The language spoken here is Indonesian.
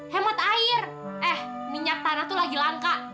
hemat air eh minyak tanah tuh lagi langka